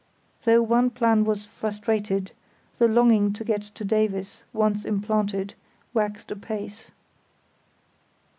Though one plan was frustrated, the longing to get to Davies, once implanted, waxed apace.